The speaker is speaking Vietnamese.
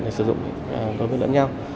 và sử dụng đối với lẫn nhau